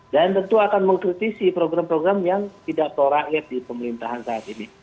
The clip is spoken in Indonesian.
dan tentu akan mengkritisi program program yang tidak terakhir di pemerintahan saat ini